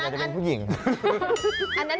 อันนั้นของคุณเก็บไว้ก่อน